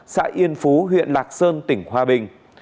xã yên phú huyện lạc sơn tỉnh hòa bình